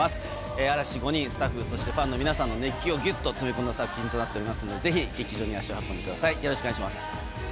嵐５人スタッフそしてファンの皆さんの熱気をギュっと詰め込んだ作品となっておりますのでぜひ劇場に足を運んでくださいよろしくお願いします。